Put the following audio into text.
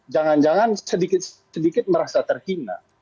jangan jangan sedikit sedikit merasa terhina